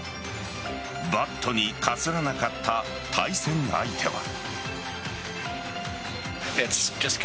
バットにかすらなかった対戦相手は。